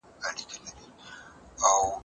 ایمي د خپلو ماشومانو ساتنه نشوه کولی.